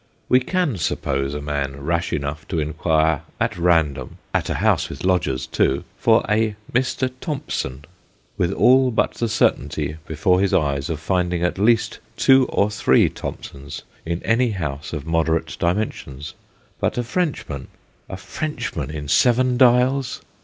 We can suppose a man rash enough to inquire at random at a house with lodgers too for a Mr. Thompson, with all but the certainty before his eyes, of finding at least two or three Thompsons in any house of moderate dimensions ; but a Frenchman a Frenchman in Seven Dials